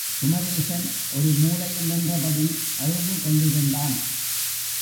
குமரேசன் ஒரு மூலையில் நின்றபடி அழுது கொண்டிருந்தான்.